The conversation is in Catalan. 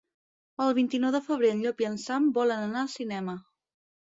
El vint-i-nou de febrer en Llop i en Sam volen anar al cinema.